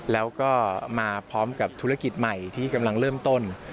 แล้วก็มาพร้อมกับธุรกิจใหม่ที่กำลังเริ่มต้น